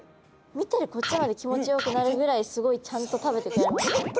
見てるこっちまで気持ちよくなるぐらいすごいちゃんと食べてくれますね。